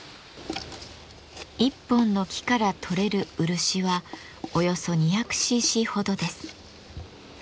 一本の木からとれる漆はおよそ２００ｃｃほどです。